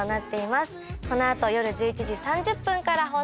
このあと夜１１時３０分から放送です。